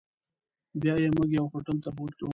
بیا یې موږ یو هوټل ته بوتلو.